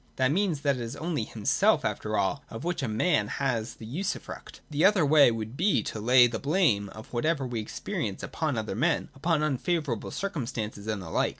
That means that it is only himself after all of which a man has the usufruct. The other way would be to lay the blame of whatever we experience upon other men, upon unfavourable circumstances, and the like.